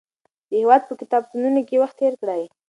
د هېواد په کتابتونونو کې وخت تېر کړئ.